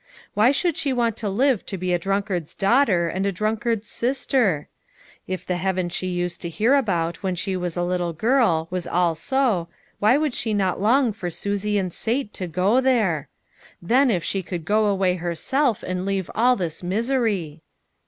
Why should she want to live to be a drunkard's daughter, and a drunkard's sis ter? If the Heaven she used to hear about when she was a little girl, was all so, why should she not long for Susie and Sate to go there ? Then if she could go away herself and leave all this misery